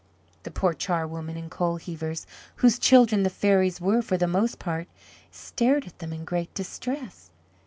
The poor charwomen and coal heavers, whose children the fairies were for the most part, stared at them in great distress.